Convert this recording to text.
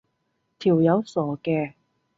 條友傻嘅